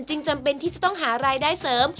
จำเป็นที่จะต้องหารายได้เสริม